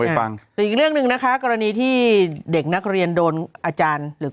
ฟังหรืออีกเรื่องหนึ่งนะคะกรณีที่เด็กนักเรียนโดนอาจารย์หรือ